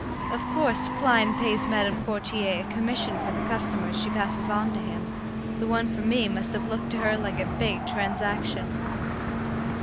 Of course, Klein pays Madame Courtier a commission for the customers she passes on to him. The one for me must have looked to her like a big transaction.